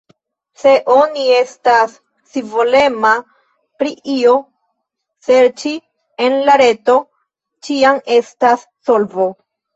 Se oni estas scivolema pri io, serĉi en la reto ĉiam estas solvo.